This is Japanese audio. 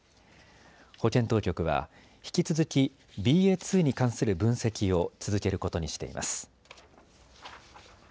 保健当局は、引き続きＢＡ．２に関する分析を続けることにしています。